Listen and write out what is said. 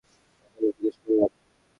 এজন্য জিজ্ঞেস করলাম।